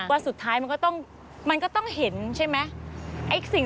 วันสุดท้ายมันก็ต้องเห็นใช่ไหม